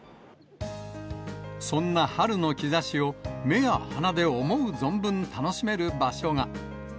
そんな春の兆しを、目や鼻で思う存分楽しめる場所が。